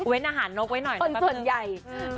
เว้นอาหารนกไว้หน่อยนะครับคุณครับคุณครับคนส่วนใหญ่